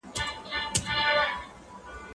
زه به سبا د تکړښت لپاره ولاړم؟